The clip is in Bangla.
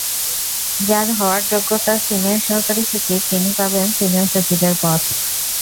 যাঁর হওয়ার যোগ্যতা সিনিয়র সহকারী সচিব, তিনি পাবেন সিনিয়র সচিবের পদ।